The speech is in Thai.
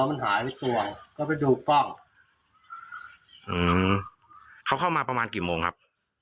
มันหายไม่กลัวก็ไปดูกล้องอืมเขาเข้ามาประมาณกี่โมงครับ